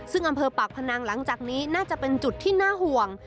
ซึ่งอำเภอปากพนังหลังจากนี้น่าจะเป็นจุดที่น่าห่วง